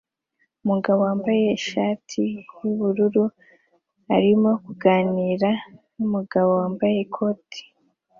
Umugabo wambaye ishati yubururu arimo kuganira numugabo wambaye ikoti